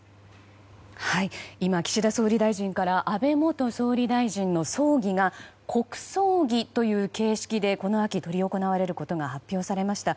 今、岸田総理大臣から安倍元総理大臣の葬儀が国葬儀という形式でこの秋、執り行われることが発表されました。